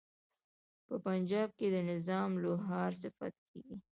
په پنجاب کې د نظام لوهار صفت کیږي.